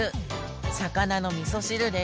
魚のみそ汁です